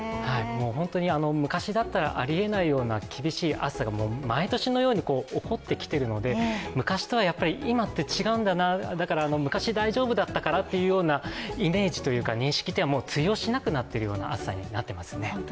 昔だったらありえないような厳しい暑さが毎年のように起こっているので昔とは今って違うんだな、だから昔大丈夫だったからというイメージというか認識はもう通用しなくなってる暑さになっていますね。